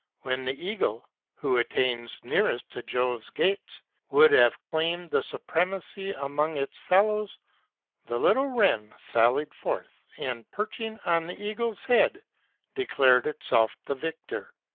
When the eagle, who attains nearest to Jove's gates, would have claimed the supremacy among its fellows, the little wren sallied forth and perching on the eagle's head declared itself the victor.